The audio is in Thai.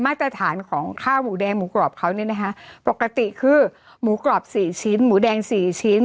มาตรฐานของข้าวหมูแดงหมูกรอบเขาเนี่ยนะคะปกติคือหมูกรอบสี่ชิ้นหมูแดงสี่ชิ้น